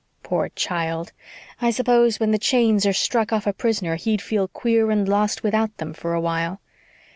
"Poor child! I suppose when the chains are struck off a prisoner he'd feel queer and lost without them for a while.